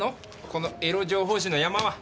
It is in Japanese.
このエロ情報誌の山は？